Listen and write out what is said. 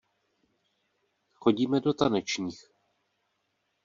Chodíme do tanečních.